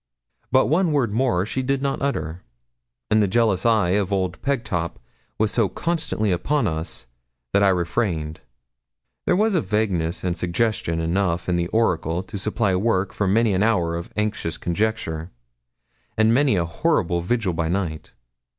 But one word more she did not utter, and the jealous eye of old Pegtop was so constantly upon us that I refrained. There was vagueness and suggestion enough in the oracle to supply work for many an hour of anxious conjecture, and many a horrible vigil by night.